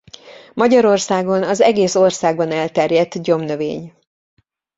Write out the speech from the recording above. Magyarországon az egész országban elterjedt gyomnövény.